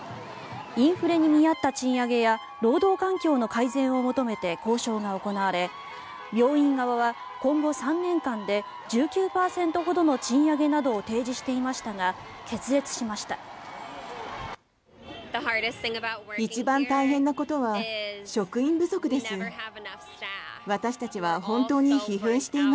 インフレに見合った賃上げや労働環境の改善を求めて交渉が行われ病院側は今後３年間で１９％ほどの賃上げなどを提示していましたが決裂しました。